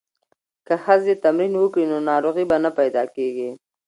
که ښځې تمرین وکړي نو ناروغۍ به نه پیدا کیږي.